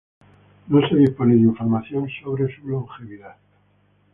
No se dispone de información sobre su longevidad.